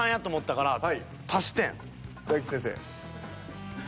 大吉先生。